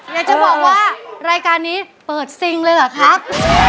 อยากจะบอกว่ารายการนี้เปิดซิงเลยเหรอครับ